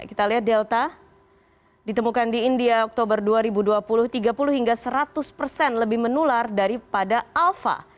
kita lihat delta ditemukan di india oktober dua ribu dua puluh tiga puluh hingga seratus persen lebih menular daripada alpha